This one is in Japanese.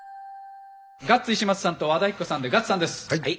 ガッツさんと和田アキ子さんでガッツさんです。